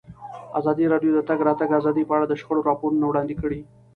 ازادي راډیو د د تګ راتګ ازادي په اړه د شخړو راپورونه وړاندې کړي.